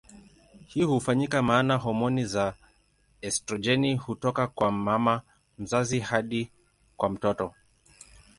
Hii hufanyika maana homoni ya estrojeni hutoka kwa mama mzazi hadi kwa mtoto.